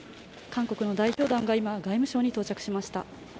韓国の代表団が今、外務省に到着しました。